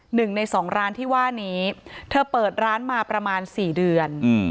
หนึ่งในสองร้านที่ว่านี้เธอเปิดร้านมาประมาณสี่เดือน